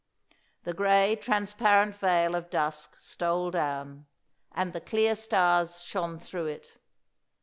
The grey, transparent veil of dusk stole down, and the clear stars shone through it.